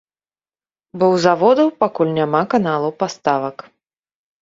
Бо ў заводаў пакуль няма каналаў паставак.